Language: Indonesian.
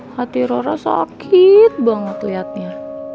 hati rora sakit banget lihatnya